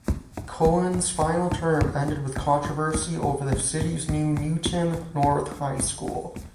Cohen's final term ended with controversy over the city's new Newton North High School.